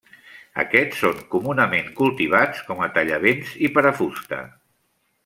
Aquests són comunament cultivats com a tallavents i per a fusta.